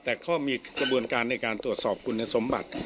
แต่ก็มีกระบวนการในการตรวจสอบคุณสมบัติ